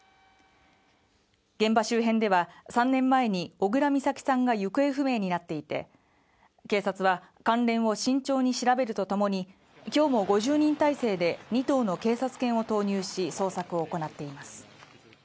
現場周辺では３年前に小倉美咲さんが行方不明になっていて警察は関連を慎重に調べるとともにきょうも５０人態勢で２頭の警察犬を投入し捜索を行っています